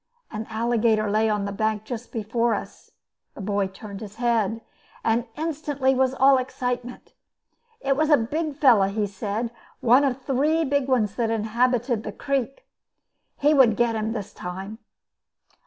An alligator lay on the bank just before us. The boy turned his head, and instantly was all excitement. It was a big fellow, he said, one of three big ones that inhabited the creek. He would get him this time.